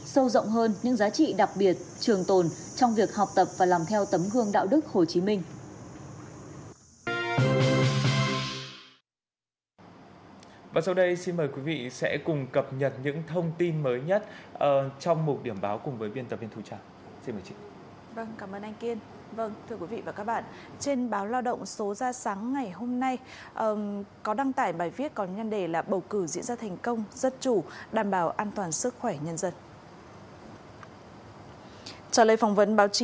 sâu rộng hơn những giá trị đặc biệt trường tồn trong việc học tập và làm theo tấm hương đạo đức hồ chí minh